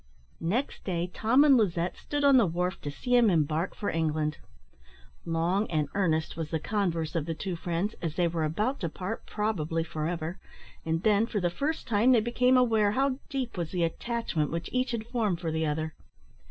Next day Tom and Lizette stood on the wharf to see him embark for England. Long and earnest was the converse of the two friends, as they were about to part, probably for ever, and then, for the first time, they became aware how deep was the attachment which each had formed for the other.